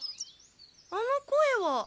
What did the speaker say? あの声は。